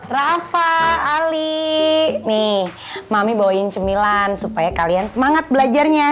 rafa ali nih mami bawain cemilan supaya kalian semangat belajarnya